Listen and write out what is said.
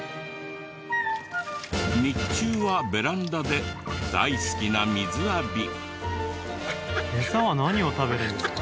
日中はベランダで大好きな水浴び。